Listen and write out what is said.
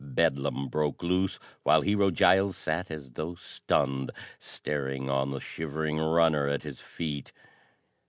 Bedlam broke loose, while Hero Giles sat as though stunned, staring on the shivering runner at his feet.